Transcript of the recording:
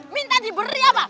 minta diberi apa